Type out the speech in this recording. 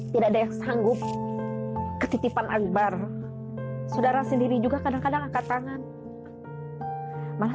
tidak ada yang sanggup ketitipan akbar saudara sendiri juga kadang kadang angkat tangan malah